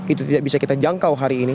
itu tidak bisa kita jangkau hari ini